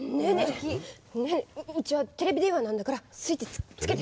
うちはテレビ電話なんだからスイッチつけて。